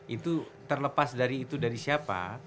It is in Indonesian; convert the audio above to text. itu terlepas dari itu dari siapa